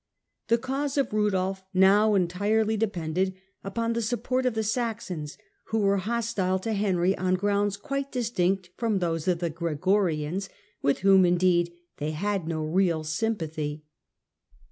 The cause of Rudolf now entirely depended upon the support of the Saxons, who were hostile to Henry on grounds quite distinct from those of the Gregorians, with whom, indeed, they had no real sympathy.